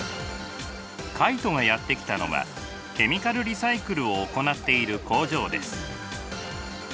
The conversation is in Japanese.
カイトがやって来たのはケミカルリサイクルを行っている工場です。